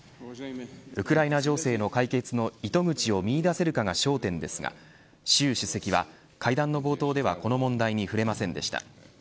ウクライナ情勢の解決の糸口を見出せるかが焦点ですが習主席は会談の冒頭ではこの問題に触れませんでした。